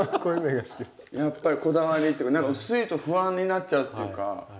やっぱりこだわりっていうか何か薄いと不安になっちゃうっていうか。